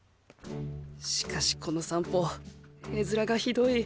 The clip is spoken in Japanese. しかしこの散歩絵面がひどい。